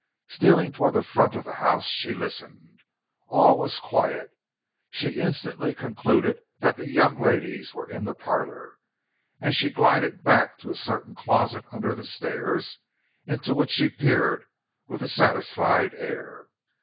Stealing towards the front of the house, she listened. All was quiet. She instantly concluded that the young ladies were in the parlor, and glided back to a certain closet under the stairs, into which she peered with a satisfied air.